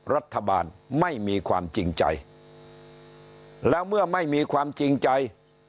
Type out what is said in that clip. รัฐบาลไม่มีความจริงใจแล้วเมื่อไม่มีความจริงใจ